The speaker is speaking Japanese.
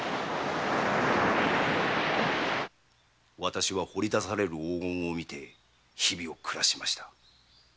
私は掘り出される黄金を見て日々を暮らしました。